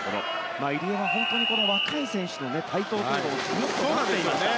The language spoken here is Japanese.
入江は若い選手の台頭をずっと待っていました。